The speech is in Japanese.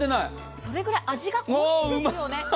それくらい味が濃いんですよね。